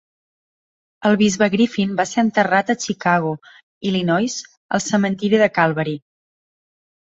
El Bisbe Griffin va ser enterrat a Chicago, Illinois, al cementiri de Calvary.